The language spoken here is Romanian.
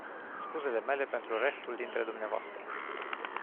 Scuzele mele pentru restul dintre dvs.